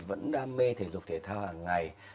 vẫn đam mê thể dục thể thao hàng ngày